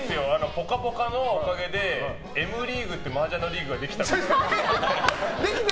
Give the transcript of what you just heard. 「ぽかぽか」のおかげでＭリーグってマージャンのリーグができた。